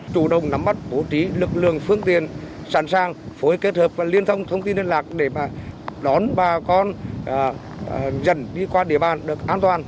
chủ động nắm mắt bố trí lực lượng phương tiện sẵn sàng phối kết hợp và liên thông thông tin liên lạc để đón bà con dần đi qua địa bàn được an toàn